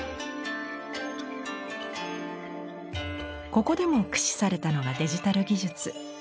ここでも駆使されたのがデジタル技術。